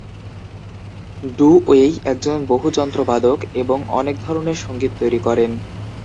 Do Wei একজন বহু-যন্ত্রবাদক এবং অনেক ধরনের সঙ্গীত তৈরি করেন।